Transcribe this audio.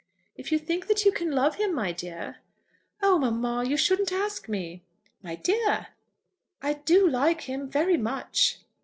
"If you think that you can love him, my dear " "Oh, mamma, you shouldn't ask me!" "My dear!" "I do like him, very much."